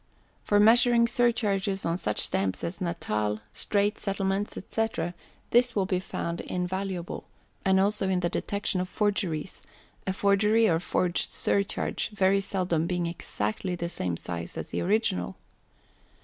For measuring surcharges on such stamps as Natal, Straits Settlements, &c., this will be found invaluable, and also in the detection of forgeries a forgery or forged surcharge very seldom being exactly the same size as the original.